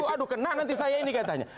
aduh kena nanti saya ini katanya